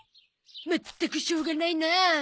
まったくしょうがないなあ。